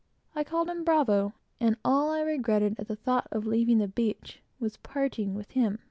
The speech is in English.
I called him Bravo, and the only thing I regretted at the thought of leaving the beach, was parting with him.